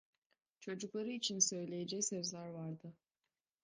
Çocukları için söyleyeceği sözler vardı.